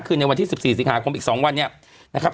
คือในวันที่๑๔สิงหาคมอีก๒วันเนี่ยนะครับ